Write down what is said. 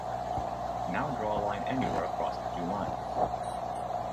Now draw a line anywhere across the two lines.